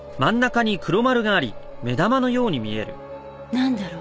なんだろう？